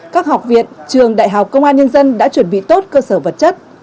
các học viện trường đại học công an nhân dân đã chuẩn bị tốt cơ sở vật chất